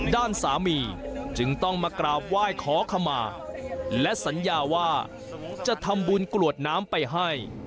ด้านสามีจึงต้องมากราบไหว้ขอขมาและสัญญาว่าจะทำบุญกรวดน้ำไปให้